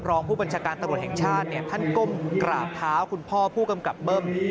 รองผู้บัญชาการตำรวจแห่งชาติท่านก้มกราบเท้าคุณพ่อผู้กำกับเบิ้ม